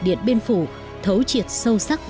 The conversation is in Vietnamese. điện biên phủ thấu triệt sâu sắc